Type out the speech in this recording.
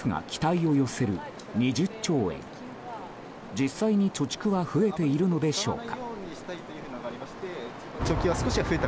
実際に貯蓄は増えているのでしょうか。